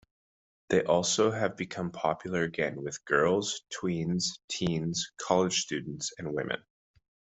They also have become popular again with girls, tweens, teens, college students and women.